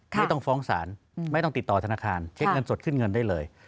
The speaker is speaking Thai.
ไม่ต้องฟ้องศาลไม่ต้องติดต่อธนาคารเช็คเงินสดขึ้นเงินได้เลย